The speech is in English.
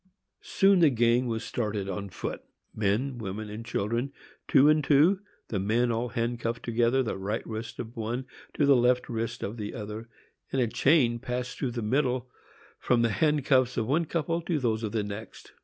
Soon the gang was started on foot,—men, women and children, two and two, the men all handcuffed together, the right wrist of one to the left wrist of the other, and a chain passing through the middle from the handcuffs of one couple to those of the next.